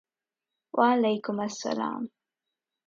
وعلیکم السلام ！